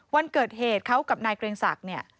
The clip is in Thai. วันเกิดเหตุเขากับนายเกรงศักดิ์เนี่ย